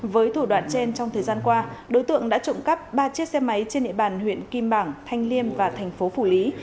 với thủ đoạn trên trong thời gian qua đối tượng đã trộm cắp ba chiếc xe máy trên địa bàn huyện kim bảng thanh liêm và thành phố phủ lý